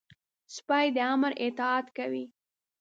سپي د امر اطاعت کوي.